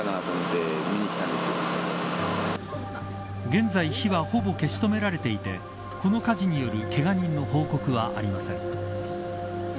現在、火はほぼ消し止められていてこの火事によるけが人の報告はありません。